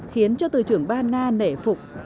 khiến cho tư trưởng ba na nể phục